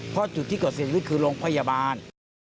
เพราะจุดที่เกิดเสียชีวิตคือโรงพยาบาล